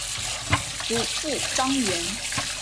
祖父张员。